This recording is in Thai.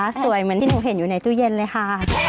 สวยเหมือนที่หนูเห็นอยู่ในตู้เย็นเลยค่ะ